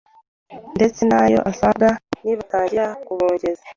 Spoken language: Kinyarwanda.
ndetse n’ayo azahembwa nibatangira kubongeza